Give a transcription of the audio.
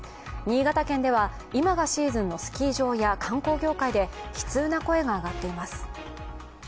新潟県では、今がシーズンのスキー場や観光業界で悲痛な声が上がっています。